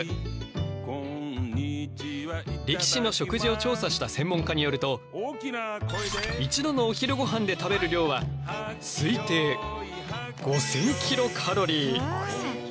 力士の食事を調査した専門家によると一度のお昼ごはんで食べる量は推定５，０００ｋｃａｌ。